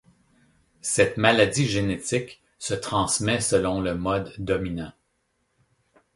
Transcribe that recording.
Cette maladie génétique se transmet selon le mode dominant.